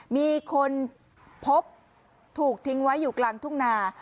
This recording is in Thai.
มีคนพบถูกทิ้งไว้อยู่กลางทุ่งนา